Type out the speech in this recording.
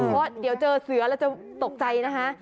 เพราะเดี๋ยวเจอเสือแล้วจะตกใจนะคะ